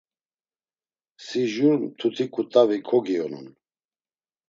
Si jur mtuti ǩutavi kogiyonun.